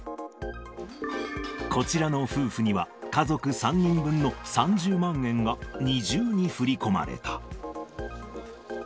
こちらの夫婦には、家族３人分の３０万円が、二重に振り込まれた。